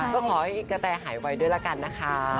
ก็ขอให้กระแทนหายวัยด้วยกันนะคะ